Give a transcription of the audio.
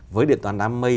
với điện toàn đám mây